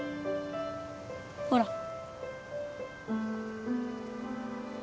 ほら